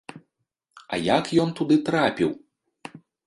А як ён туды трапіў?